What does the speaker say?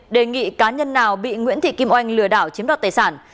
đề nghị cá nhân nào bị nguyễn thị kim oanh lừa đảo chiếm đoạt tài sản